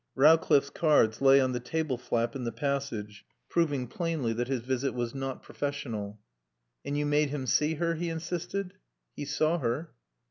(Rowcliffe's cards lay on the table flap in the passage, proving plainly that his visit was not professional.) "And you made him see her?" he insisted. "He saw her."